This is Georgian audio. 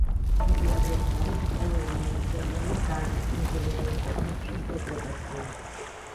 იგი აგრეთვე არის იტალიური მინისერიალის „განძის კუნძული ღია კოსმოსში“ ინტერპრეტაცია.